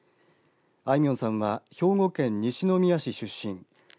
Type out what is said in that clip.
あいみょんさんは兵庫県西宮市出身